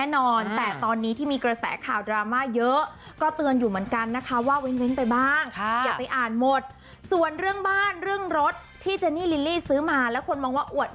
ครับ๒๕นี้ครับทุกโหลงภาพยนตร์ขอบคุณมากครับ